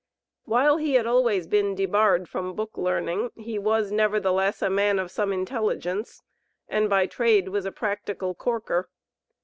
While he had always been debarred from book learning, he was, nevertheless, a man of some intelligence, and by trade was a practical Corker.